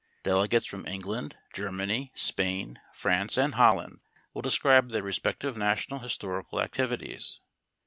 Delegates from England, Germany, Spain, France and Holland will describe their respective national historical activities.